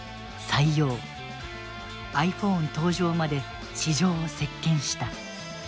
ｉＰｈｏｎｅ登場まで市場を席けんした。